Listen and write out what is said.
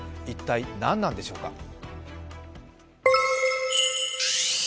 一体、何なんでしょうか。